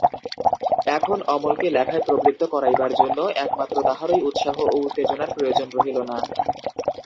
এখন অমলকে লেখায় প্রবৃত্ত করাইবার জন্য একমাত্র তাহারই উৎসাহ ও উত্তেজনার প্রয়োজন রহিল না।